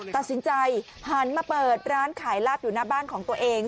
ตัดสินใจหันมาเปิดร้านขายลาบอยู่หน้าบ้านของตัวเอง